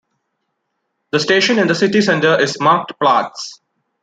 The station in the city center is "Marktplatz".